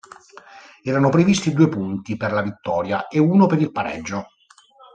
Erano previsti due punti per la vittoria e uno per il pareggio.